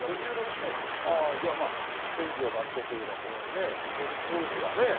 ああじゃあまあ天寿を全うというかすごいね当時はね。